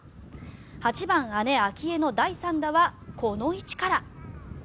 ８番、姉・明愛の第３打はこの位置から。